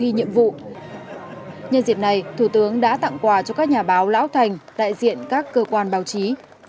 nhân dịp này thủ tướng đã tặng quà cho các nhà báo lão thành đại diện các cơ quan báo chí